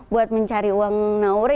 buat mencari uang naura